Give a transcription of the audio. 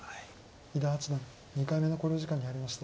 伊田八段２回目の考慮時間に入りました。